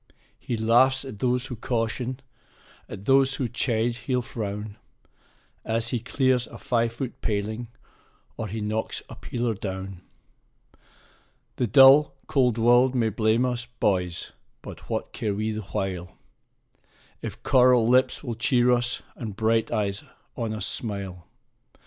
He laughs at those who caution, at those who chide he'll frown, As he clears a five foot paling, or he knocks a peeler down. The dull, cold world may blame us, boys! but what care we the while, If coral lips will cheer us, and bright eyes on us smile?